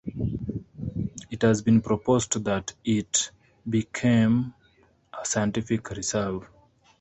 It has been proposed that it become a scientific reserve.